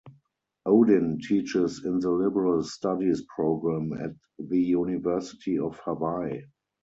Odin teaches in the Liberal Studies program at the University of Hawaii.